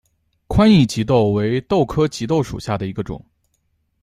宽翼棘豆为豆科棘豆属下的一个种。